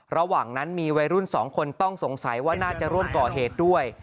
ระหว่างนั้นมีวัยรุ่น๒คนต้องสงสัยว่าน่าจะร่วมก่อเหตุด้วย